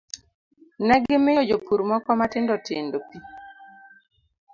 Ne gimiyo jopur moko matindo tindo pi,